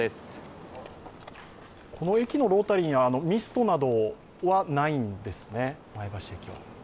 この駅のロータリーにはミストなどはないんですね。